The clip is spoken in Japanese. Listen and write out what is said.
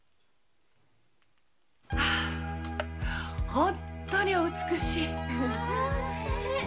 本当にお美しい。